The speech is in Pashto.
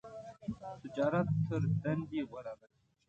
تجارت تر دندی غوره ده .